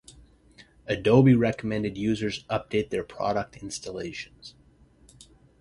Adobe recommended users update their product installations.